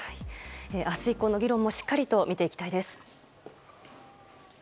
明日以降の議論もしっかりと見ていきたいです。